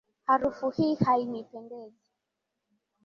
Harufu hii hainipendezi.